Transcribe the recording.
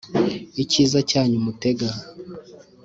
icyiza cyanyu mutega